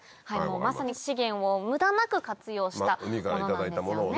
まさに資源を無駄なく活用したものなんですよね。